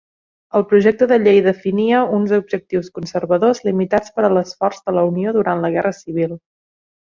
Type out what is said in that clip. El projecte de llei definia uns objectius conservadors limitats per a l'esforç de la Unió durant la Guerra Civil.